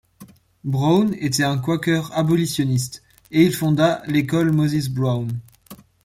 Brown était un quaker abolitionniste, et il fonda l'école Moses Brown.